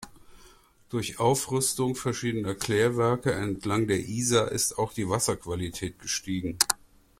Durch Aufrüstung verschiedener Klärwerke entlang der Isar ist auch die Wasserqualität gestiegen.